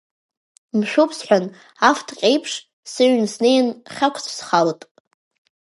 Мшәуп сҳәан, аф ҭҟьа еиԥш, сыҩн снеин, хьақәцә схалт.